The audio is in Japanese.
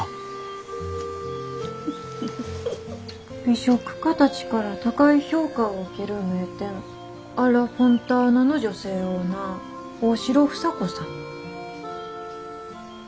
「美食家たちから高い評価を受ける名店『アッラ・フォンターナ』の女性オーナー大城房子さん」。